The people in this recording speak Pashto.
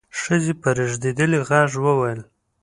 ښځې په رېږدېدلي غږ وويل: